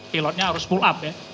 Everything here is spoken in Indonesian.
pilotnya harus pull up ya